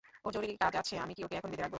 ওর জরুরী কাজ আছে, আমি কী ওকে এখন বেঁধে রাখবো?